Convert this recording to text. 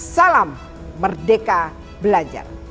salam merdeka belajar